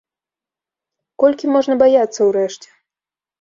Колькі можна баяцца ўрэшце?